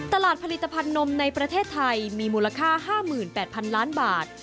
ตลาดผลิตภัณฑ์นมในประเทศไทยมีมูลค่า๕๘๐๐๐ล้านบาท